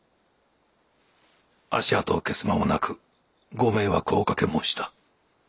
足跡を消す間もなくご迷惑をおかけ申した。